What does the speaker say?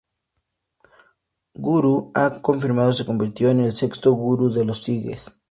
Gurú Har Gobind se convirtió en el sexto gurú de los sijes.